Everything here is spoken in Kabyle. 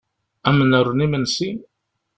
Ad m-nernu imesnsi?